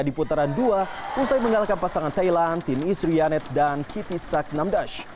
di putaran dua usai menggalakkan pasangan thailand tim isrianet dan kitisak namdash